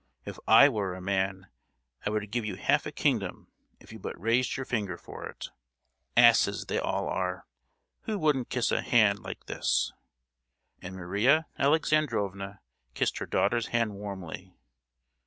If I were a man I would give you half a kingdom if you but raised your finger for it! Asses they all are! Who wouldn't kiss a hand like this?" and Maria Alexandrovna kissed her daughter's hand warmly.